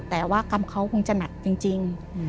แต่ว่ากรรมเขาคงจะหนักจริง